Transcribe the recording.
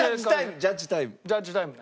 ジャッジタイムね。